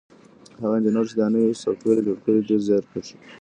هغه انجنیر چې دا نوی سافټویر یې جوړ کړی ډېر زیارکښ دی.